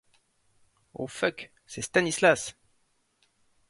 Oh fuck… c’est Stanislas.